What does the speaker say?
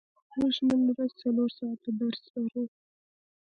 موږ نن ورځ څلور ساعته درس لرو.